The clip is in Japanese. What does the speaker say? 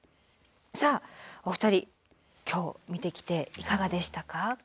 さあお二人今日見てきていかがでしたか？